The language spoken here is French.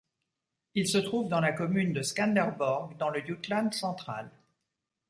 Il se trouve dans la commune de Skanderborg, dans le Jutland central.